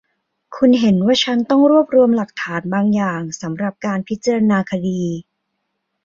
คุณเห็นว่าฉันต้องรวบรวมหลักฐานบางอย่างสำหรับการพิจารณาคดี